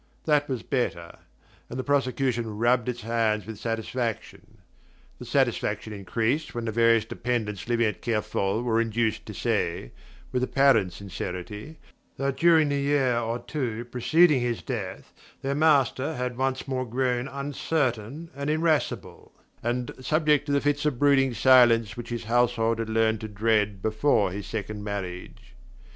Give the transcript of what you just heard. That was better; and the prosecution rubbed its hands with satisfaction. The satisfaction increased when various dependents living at Kerfol were induced to say with apparent sincerity that during the year or two preceding his death their master had once more grown uncertain and irascible, and subject to the fits of brooding silence which his household had learned to dread before his second marriage.